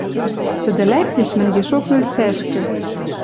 Тӹдӹ лӓктеш мӹнгешок ӧльцӓшкӹ